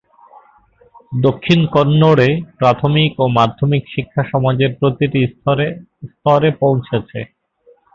দক্ষিণ কন্নড়-এ প্রাথমিক ও মাধ্যমিক শিক্ষা সমাজের প্রতিটি স্তরে পৌঁছেছে।